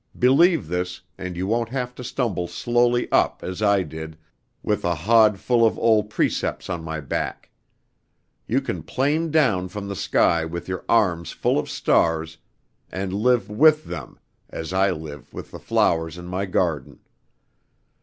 Believe this, and you won't have to stumble slowly up, as I did, with a hod full of old precepts on my back. You can plane down from the sky with your arms full of stars, and live with them, as I live with the flowers in my garden.